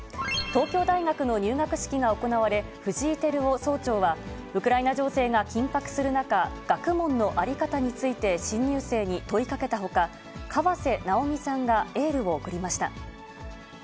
東京大学の入学式が行われ、藤井輝夫総長は、ウクライナ情勢が緊迫する中、学問の在り方について新入生に問いかけたほか、河瀬直美さんがエールを送りました。